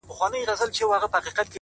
چي ستا د حسن پلوشې چي د زړه سر ووهي!